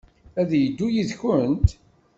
Ad yeddu yid-kent?